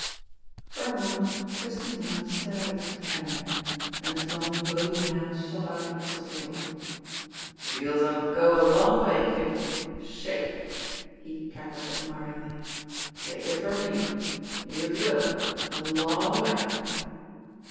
For a moment Twisty Munn stared at his companion, then his long, bony hand shot out across the table. "Youse'll go a long way, Kid ! Shake !" he cackled ad miringly. "Take it from me, youse will a long way